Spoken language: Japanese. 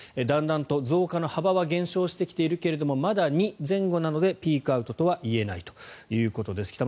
だんだんと増加の幅が減少してきているがまだ２前後なのでピークアウトとは言えないということです。